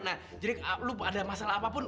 nah jadi lo ada masalah apa apa